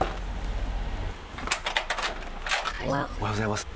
おはようございます。